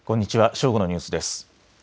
正午のニュースです。